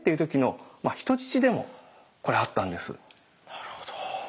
なるほど。